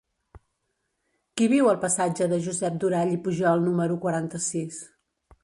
Qui viu al passatge de Josep Durall i Pujol número quaranta-sis?